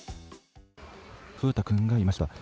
風太くんがいました。